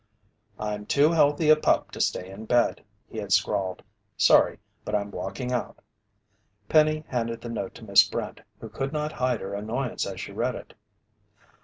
"I'm too healthy a pup to stay in bed," he had scrawled. "Sorry, but I'm walking out." Penny handed the note to Miss Brent who could not hide her annoyance as she read it.